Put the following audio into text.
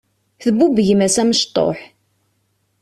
Tbubb gma-s amecṭuḥ.